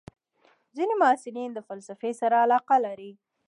ځینې محصلین د فلسفې سره علاقه لري.